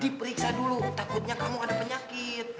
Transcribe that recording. diperiksa dulu takutnya kamu ada penyakit